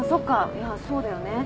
いやそうだよね。